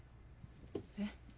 えっ？